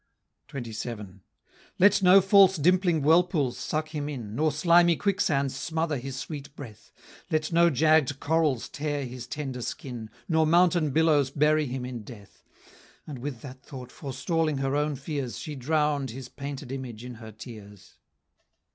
XXVII. "Let no false dimpling whirlpools suck him in, Nor slimy quicksands smother his sweet breath; Let no jagg'd corals tear his tender skin, Nor mountain billows bury him in death"; And with that thought forestalling her own fears, She drowned his painted image in her tears.